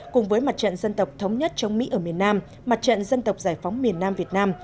cùng với mặt trận dân tộc thống nhất chống mỹ ở miền nam mặt trận dân tộc giải phóng miền nam việt nam